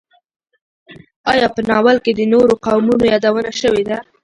ایا په ناول کې د نورو قومونو یادونه شوې ده؟